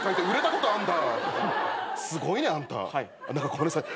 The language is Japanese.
ごめんなさい